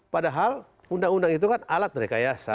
padahal undang undang itu kan alat rekayasa